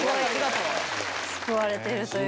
救われてるという。